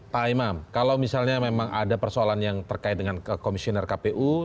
pak imam kalau misalnya memang ada persoalan yang terkait dengan komisioner kpu